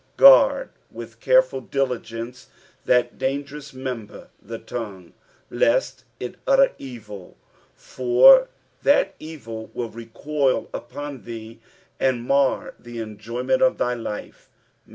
Ouard vith careful diligence that ^ yaa member, the tongue, leat it uttjf eTil, for that evil will lecnil upot thee, aad imir the enjoyment of thy life.